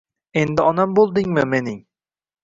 Endi onam boʻldingmi mening